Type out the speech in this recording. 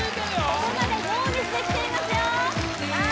ここまでノーミスできていますよさあ